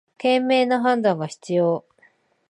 賢明な判断が必要